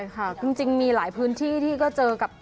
ค่ะจริงมีหลายพื้นที่ที่ก็เจอกับ